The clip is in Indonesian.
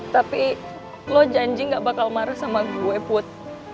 tapi lo janji gak bakal marah sama gue emput